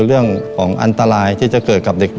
เรื่องของอันตรายที่จะเกิดกับเด็ก